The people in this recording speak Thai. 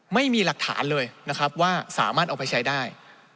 ไม่มีหลักฐานเลยนะครับว่าสามารถเอาไปใช้ได้